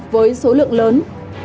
với số lượng lớn